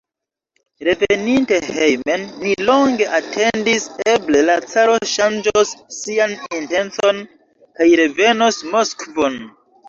Reveninte hejmen, ni longe atendis: eble la caro ŝanĝos sian intencon kaj revenos Moskvon.